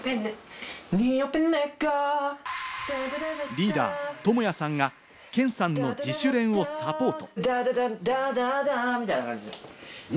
リーダー、トモヤさんがケンさんの自主練をサポート。